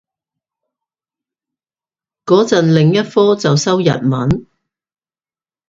個陣另一科就修日文